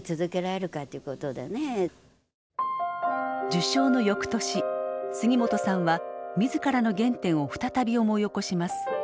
受賞の翌年杉本さんは自らの原点を再び思い起こします。